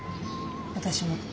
私も。